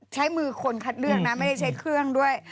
ใช้มือคนคัดเลือกนะไม่ได้ใช้เครื่องด้วย